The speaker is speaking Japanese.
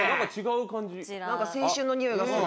なんか青春のにおいがする。